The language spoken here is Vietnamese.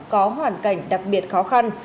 có hoàn cảnh đặc biệt khó khăn